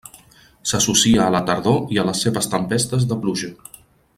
S'associa a la tardor i a les seves tempestes de pluja.